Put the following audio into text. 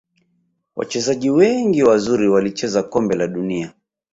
Wachezaji wengi wazuri walicheza kombe la dunia